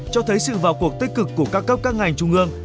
cho thấy sự vào cuộc tích cực của các cấp các ngành trung ương